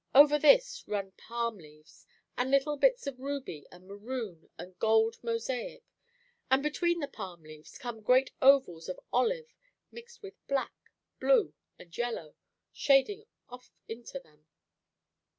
Over this run palm leaves and little bits of ruby and maroon and gold mosaic; and between the palm leaves come great ovals of olive mixed with black, blue, and yellow; shading off into them.